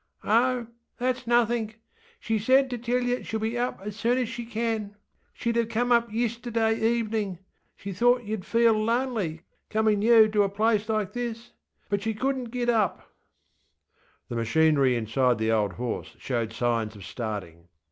ŌĆÖ ŌĆśOh, thatŌĆÖs nothink. She said to tell yer sheŌĆÖll be up as soon as she can. SheŌĆÖd have come up yisterday eveningŌĆöshe thought yerŌĆÖd feel lonely cominŌĆÖ new to a place like thisŌĆöbut she couldnŌĆÖt git up. ŌĆÖ The machinery inside the old horse showed signs of starting.